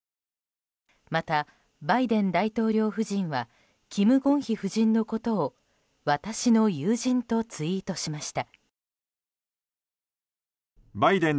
また、バイデン大統領夫人はキム・ゴンヒ夫人のことを私の友人とツイートしました。